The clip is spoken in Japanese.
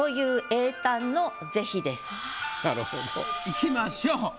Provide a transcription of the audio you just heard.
いきましょう。